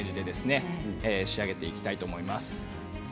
そのように仕上げていきたいと思います。